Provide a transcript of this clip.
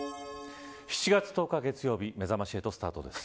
７月１０日月曜日めざまし８スタートです。